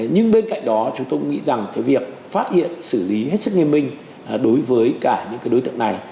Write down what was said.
nhưng bên cạnh đó chúng tôi nghĩ rằng cái việc phát hiện xử lý hết sức nghiêm minh đối với cả những cái đối tượng này